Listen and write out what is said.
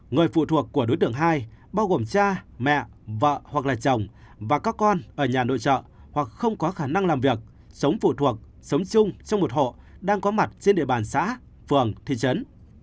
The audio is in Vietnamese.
người phụ thuộc của đối tượng hai bao gồm cha mẹ vợ hoặc là chồng và các con ở nhà nội trợ hoặc không có khả năng làm việc sống phụ thuộc sống chung trong một hộ đang có mặt trên địa bàn xã phường thị trấn